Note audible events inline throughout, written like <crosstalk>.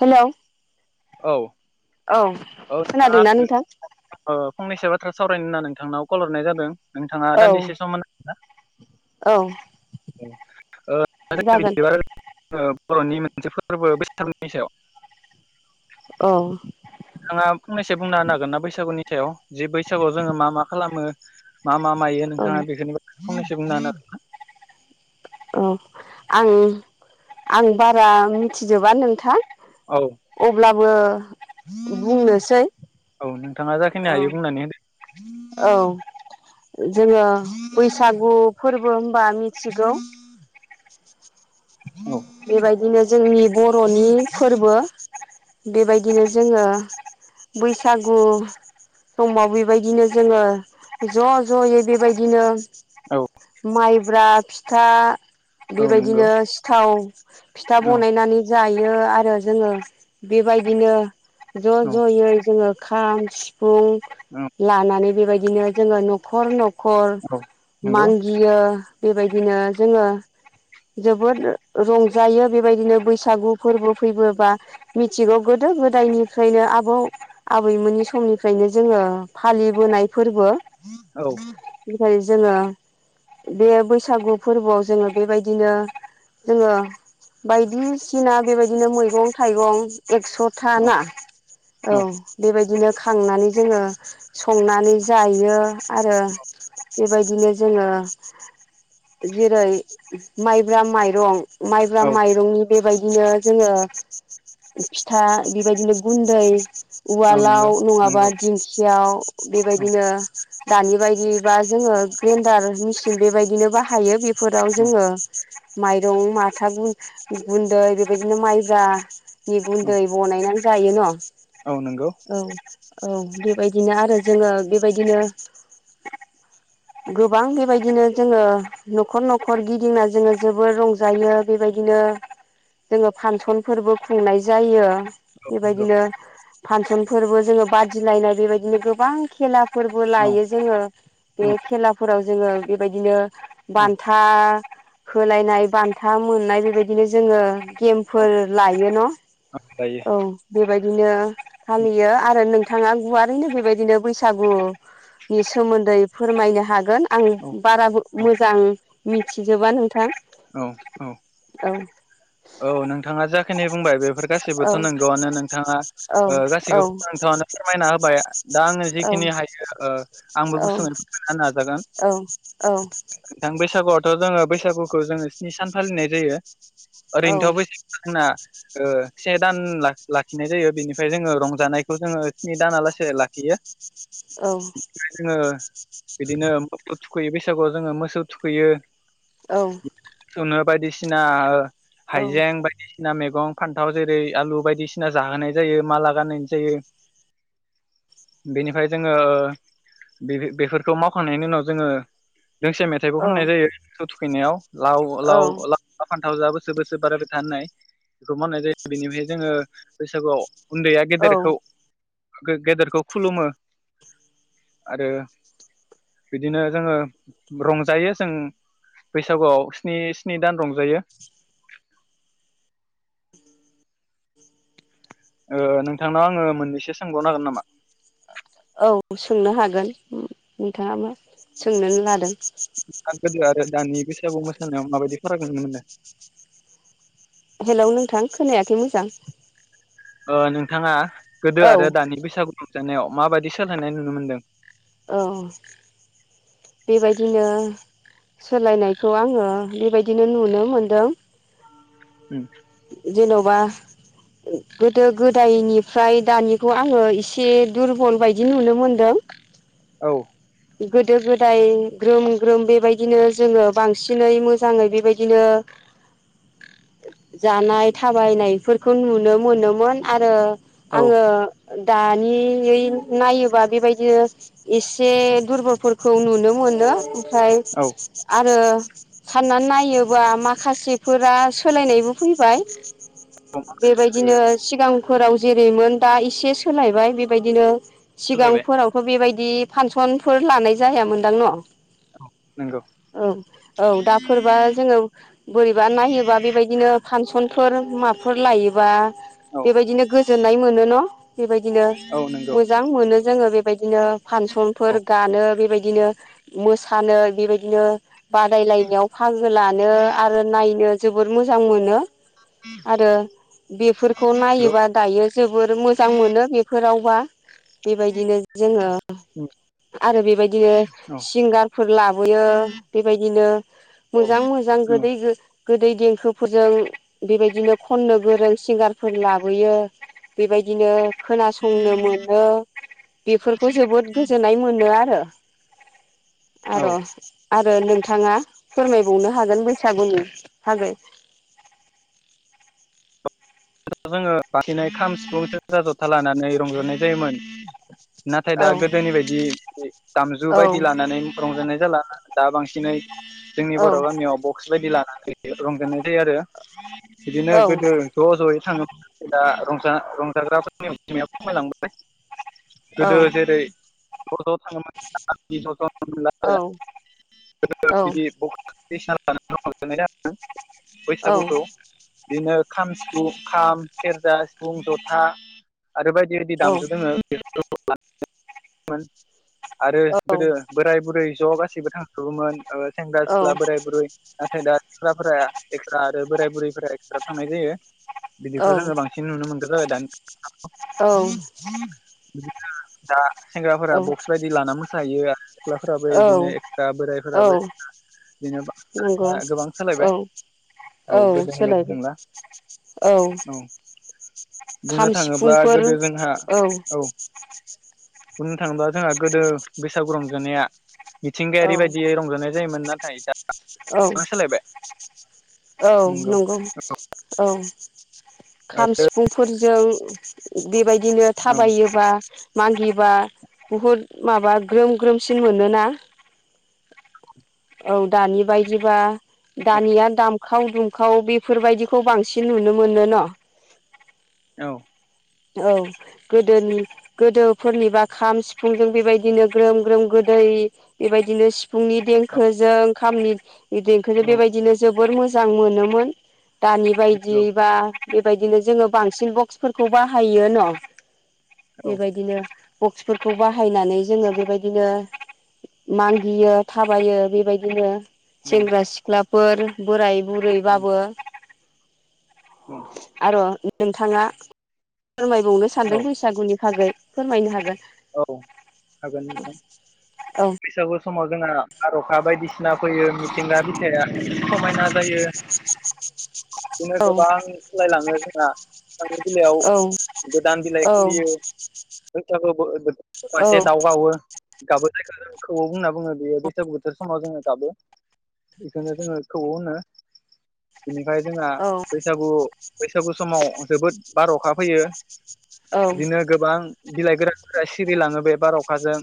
Hello औ औ औ नोंथाङा खोनादोंना नोंथां? <unintelligible> फंनैसो बाथ्रा सावरायनो होना नोंथांनाव कल हरनाय जादों नोंथाङा औ दान्दिसे सम होनो <unintelligible> औ <unintelligible> ओ जागोन बर'नि मोनसे फोरबो बैसागोनि सायाव औ थांआ फंनैसो बुंना होन नागोन ना बैसागुनि सायाव जे बैसागुआव जोङो मा मा खालामो मा मा मायो औ नोंथाङा बेखोनो फंनैसो बुंना होनो <unintelligible> औ आं आं बारा मिथिजोबा नोंथां। हागोन? अब्लाबो बुंनोसै औ नोंथाङा जाखिनि हायो बुंनानै औ औ जोङो बैसागु फोरबो होमबा मिथिगौ होदो बेबायदिनो जोंनि बर'नि फोरबो बेबायदिनो जोङो बैसागु समाव बेबायदिनो जोङो ज' ज'यै बेबायदिनो औ माइब्रा फिथा औ नंगौ बेबायदिनो सिथाव फिथा औ बनायनानै जायो आरो जोङो बेबायदिनो ज' औ ज'यै जोङो खाम सि फुं लानानै बेबायदिनो जोङो न'खर न' खर औ नंगौ माग्गियो बेबायदिनो जोङो जोबोद रंजायो बेबायदिनो बैसागु फोरबो फैबोबा मिथिगौ गोदो गोदाय निफ्रायनो आबौ आबैमोननि समनिफ्रायनो जोङो फालिबोनाय फोरबो औ फ्राय जोङो बे बैसागु फोरबोआव जोङो बेबायदिनो जोङो बायदिसिना बेबायदिनो मैगं थाइगं एक्स'था औ ना औ बेबायदिनो खा खांनानै जोङो संनानै जायो आरो बेबायदिनो जोङो जेरै माइ ब्रा माइरं माइब्रा औ माइरंनि बेबायदिनो जोङो फिथा बेबायदिनो गुन्दै औ उवालाव नंगौ नङाबा नंगौ दिंखियाव औ बेबायदिनो दानि बायदिबा जोङो ग्रेन्दार मेचिन बेबायदिनो बाहायो बेफोराव औ जोङो माइरं माथा गुन गुन्दै बेबायदिनो माइब्रा नि औ गुन्दै बनायनानै जायो न' औ औ बेबायदिनो आरो जोङो बेबायदिनो गोबां बेबायदिनो जोङो न'खर न'खर गिदिंना जोङो जोबोर रंजायो बेबायदिनो जोङो फानसनफोरबो खुंनाय जायो औ नंगौ बेबायदिनो फानसनफोरबो जोङो बादिलायनाय बेबायदिनो गोबां खेला फोरबो औ लायो जोङो बे खेलाफोराव जोङो बेबायदिनो औ बान्था होलायनाय बान्था मोननाय बेबायदिनो जोङो गेम औ फोर लायो न औ दायो औ बेबायदि बिदिनो औ फालियो आरो नोंथाङा गुवारैनो बेबायदिनो बैसागु नि सोमोन्दै फोरमायनो हागोन आं बाराबो औ मोजां मिथिजोबा नोंथां। औ औ औ औ नोंथाङा जाखिनि बुंबाय बेफोर औ गासैबोथ' नंगौआनो नोंथाङा औ ओ औ गासैखौबो नोंथां आनो फोरमायना होबाय दा आङो औ जिखिनि हायो ओ आंबो गुसुङै फोरमायना नाजागोन औ नोंथां बैसागुयावथ' जोङो बैसागुखौ जोङो स्नि सान फालिनाय जायो। औ ओरैनोथ' बैसागुआ जोंना ओ से दान लाख लाखिनाय जायो बेनिफाय जोङो रंजानायखौ जोङो स्नि दाना लासे लाखियो। बिदिनो जोङो बिदिनो मोसौ थुख खैयो बैसागुयाव जोङो मोसौ थुखैयो। औ सुनो बायदिसिना औ हाइजें बायदि सिना मेगं फान्थाव जेरै आलु बायदिसिना जाहोनाय जायो माला गानहोनाय जायो। बेनिफाय जोङो ओ बेफ बेफोरखौ मावखांनायनि उनाव जोङो दोंसे मेथाइबो खननाय जायो मोसौ थुखैनायाव लाव लाव औ ला फानथाव जा बो सोर बोसोर बारायबाय था होननाय बेखौ मावनाय जायो बेनिफ्राय जोङो बैसागुयाव उन्दैया औ गेदेरखौ गे गेदेरखौ खुलुमो। आरो बिदिनो जोङो रंजायो जों बैसागुआव स्नि स्नि दान रंजायो। ओ नोंथांनाव आङो मोननैसो सोंबावनो हागोन नामा? औ सोंनो हागोन नोंथाङा मा सोंनोन लादों। आं गोदो आरो दानि बैसागु मोसानायाव माबायदि फाराग नुनो मोनो? हेलौ नोंथां खोनायाखै मोजां। ओ नोंथाङा गोदो औ आरो दानि बैसागु रंजानायाव माबायदि सोलायनाय नुनो मोनदों? औ बेबायदिनो सोलायनायखौ आङो बेबायदिनो नुनो मोनदों। उम जेन'बा गोदो गोदायनिफ्राय दानिखौ आङो एसे दुरबल बायदि नुनो मोनदों। औ गोदो गोदाय ग्रोम ग्रोम बेबायदिनो जोङो बांसिनै मोजाङै बेबायदिनो <inaudible> जानाय थाबायनायफोरखौ नुनो मोनोमोन आरो आङो औ दानियै नायोबा बेबायदिनो एसे दुरबलफोरखौ नुनो मोनो ओमफ्राय औ आरो सानना नायोबा माखासेफोरा सोलायनायबो फैबाय। बेबायदिनो सोलायबाय सिगां फोराव जेरैमोन दा एसे सोलायबाय बेबायदिनो सोलायबाय सिगांफोरावथ' बेबाय दि फानसनफोर लानाय जायामोनदां न'? औ नों औ औ दाफोरबा जोङो बोरैबा नायोबा बेबायदिनो फानसनफोर <unintelligible> माफोर लायोबा औ बेबायदिनो गोजोननाय मोनो न' बेबायदिनो औ नंगौ मोजां मोनो जोङो बेबायदिनो फानसनफोर औ गानो बेबायदिनो मोसानो बेबायदिनो बादायलायनायाव बाहागो लानो आरो नायनो जोबोर मोजां मोनो। आरो बेफोरखौ नंगौ नायोबा दायो जोबोर मोजां मोनो बेफोराव बा बेबायदिनो जोङो उम आरो बेबायदिनो औ सिंगारफोर लाबोयो बेबायदिनो मोजां मोजां औ औ गोदै गो गोदै देंखोफोरजों बेबायदिनो खननो गोरों सिंगारफोर लाबोयो बेबाय बेदिनो खोनासंनो मोनो बेफोरखौ जोबोद गोजोननाय मोनो आरो । आरो औ आरो नोंथाङा फोरमायबावनो हागोन बैसागुनि था जोङो बांसिननाय खाम, सिफुं, सेरजा, जथा लानानै रंजनाय जायोमोन । नाथाय औ दा गोदोनि बायदि दामजु औ बायदि लानानै रंजानाय जाला दा बांसिनै जोंनि बर' गामियाव बक्स बायदि लानानै रंजोननाय जायो आरो । बिदिनो औ गोदो ज' जयै थाङो दा रंजाग्राफोरनि अजिमायाबो खमायलांबायबाय। औ गोदो जेरै ज' ज' थाङोमोन दाना बिदि औ औ <unintelligible> <unintelligible> बैसागुखौ बिदिनो खाम, सिफु खाम, सेरजा, सिफुं, जथा आरो बायदि बायदि दामजु दोङो बे आरो गोदो बोराय बुरै ज' गासैबो थांजोबोमोन सेंग्रा सिक्ला बोराय बुरै नाथाय दा एक्स्रा आरो बोराय बुरैफोरा एक्सट्रा थांनाय जायो बिदिखौ जोङो बांसिन नुनो मोनदों। जाबाय दान औ । दा सेंग्राफोरा बक्स बायदि लाना मोसाहैयो आरो सिख्लाफोराबो बिदिनो औ एक्सट्रा औ बोरायफोराबो एक्सट्रा नंगौ औ । औ गोदोनि बायदि सोलायबाय नंला औ । खाम बुंनो थाङोब्ला सिफुंफोर गोदो जोंहा औ । बुंनो थाङोबा जोंहा गोदो बैसागु रंजानाया मिथिंगायारि बायदियै रंजानाय जायोमोन ना औ औ नंगौ औ । खाम आरो सिफुंफोरजों बेबायदिनो औ थाबायोबा मागिबा बुहुद माबा ग्रोम ग्रोमसिन मोनोना औ दानि बायदिबा औ दानिया दाम खाव दुमखाव बेफोरबायदिखौ बांसिन नुनो मोनो न'? औ । औ गोदोनि गोदोफोरनिबा खाम सिफुंजों बेबायदिनो ग्रोम ग्रोम गोदो ओरै बेबायदिनो सिप फुंनि औ देंखोजों ओंखामनि देंखोजों औ बेबायदिनो जोबोर मोजां मोनोमोन दानि बायदि नंगौ बा बेबायदिनो जोङो बांसिन बक्सफोरखौ बाहायो न' औ बेबायदिनो बक्सफोरखौ बाहायनानै जोङो बेबायदिनो मागियो थाबायो बेबायदिनो सेंग्रा सिख्लाफोर बोराय बुरैबाबो आरो' नोंथाङा फोरमायबावनो सानदों औ औ बैसागुनि थाखायागै फोरमायनो हागोन । औ हागोन नोंथां बैसागु समाव जोंहा बार अखा बायदिसिना फैयो मिथिंगा बिथाया समायना जायो बिदिनो औ औ गोबां सालायलाङो जोंहा औ नंगौ औ नंगौ गोदान बिलााय बैसागु बोथोराव मासे दाउ गावो गाबो जायखौ जों खौवौ होनना बुङो बेयो बैसागु बोथोर समाव जोङो गाबो बेखनो जोङो खौवौ होनो । बिनिफ्राय जोंहा बैसागु बैसा बिदिनो गोबां बिलाइ गोरानफोरा सिरिलाङो बे बार अखाजों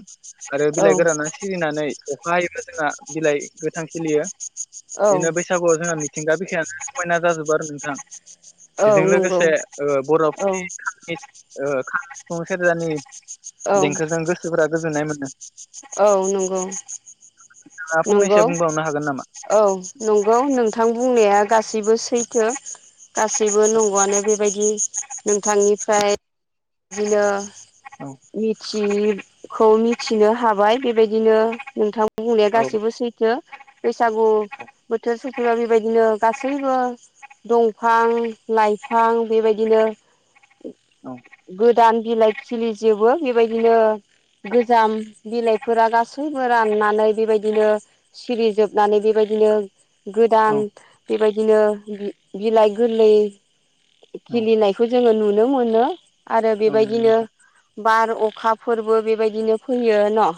आरो बिलाइ गोराना सिरिनानै अखा हायोब्ला जोंना बिलाइ गोथां सिलियो । बिदिनो बैसागुआव जोंना मिथिंगा बिखायानो समायना जाजोबो आरो नोंथां । बेजों लोगोसे बर'फोरनि सुबुं सेरजानि देंखोजों गोसोफोरा गोजोननाय मोनदों। औ नंगौ। नोंथाङा फंनैसो नंगौ बुंबावनो हागोन नामा? औ नंगौ नोंथां बुंनाया गासै गासैसिबो सैथो गासैबो नंगौआनो बे बेबायदि नोंथांनिफ्राय बिदिनो औ मिथि जि खौ मिथिनो हाबाय बेबायदिनो नोंथां बुंनाया औ गासै बैसागु औ बोथोर सफैबा बेबायदिनो गासैबो दंफां लाइफां बेबायदिनो औ गोद दान बिलाइ खिलिजोबो बेबायदिनो गोजाम बिलाइफोरा गासैबो राननानै बेबायदि बिदिनो सिरि जोबनानै बेबायदिनो गोदान औ बेबाय बिदिनो बिलाइ गोरलै औ खिलिनायखौ जोङो नुनो मोनो। आरो औ नंगौ बेबायदिनो नोंथां बार अखा फोरबो बेबायदिनो फैयो न'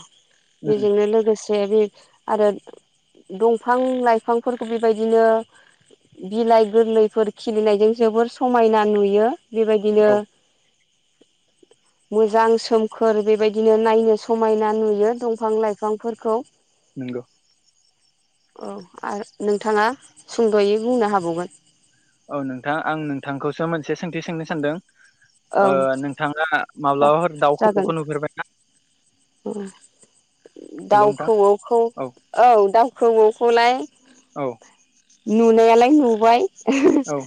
उम बेजोंनो लोगोसे बे आरो दंफां लाइफांफोरखौ बेबायदिनो बिलाइ गोरलैफोर खिलिनायजों जोबोर समायना नुयो बेबायदिनो। औ <inaudible> मोजां सोमखोर बेबायदिनो नायनो समायना नुयो दंफां लाइफांफोरखौ। नंगौ। औ आरो नोंथाङा सुंद'यै बुंनो हाबावगोन। औ नोंथां आं नोंथांखौसो मोनसे सोंथि सोंनो सानदों औ ओ नोंथाङा माब्लाबाफोर दाउखौऔ नुफेरबाय ना? ओ। हेलौ दाउ नोंथां खौऔखौ औ दाउखौऔ खौलाय औ नुनायालाय नुबाय औ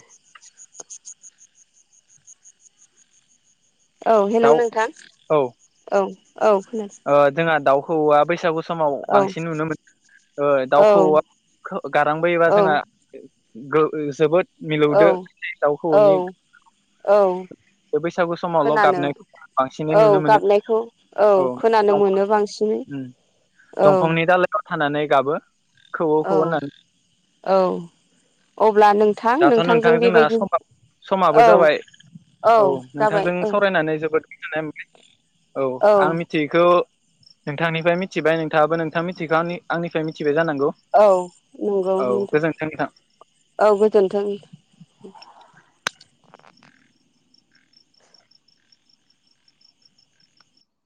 औ हेल' दाउ नोंथां औ औ औ खोनासै औ आ बेैसागु समाव बांसिन नुनो मोनो। ओ औ दाउखौऔआ गारांबोयोबा औ जोंहा जोबोद औ मिलौदो औ दाउखौऔनि औ बे बैसागु समावल' खोनानो गाबनायखौ बांसिनै औ नुनो मोनो। गाबनायखौ औ खोनानो मोनो बांसिनै औ दंफांनि दालायाव थानानै गाबो। खौवौ औ खौवौ होननानै औ अब अब्ला नोंथां दाथ' नोंथां नोंथांजों जोंना बेबायदि समा समाबो औ जाबाय औ जाबाय नोंथांजों औ सावरायनानै जोबोद गोजोननाय औ आं मिथियैखौ नोंथांनिफ्राय मिथिबाय नोंथाङाबो नोंथां मिथिगौ आंनि आंनिफ्राय मिथिबाय जानांगौ औ नंगौ औ नोंथां गोजोन्थों औ गोजोनथों।